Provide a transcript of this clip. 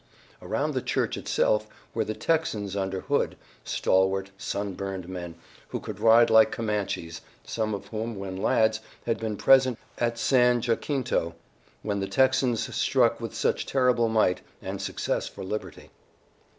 Around the church itself were the Texans under Hood, stalwart, sunburned men who could ride like Comanches, some of whom when lads had been present at San Jacinto, when the Texans struck with such terrible might and success for liberty.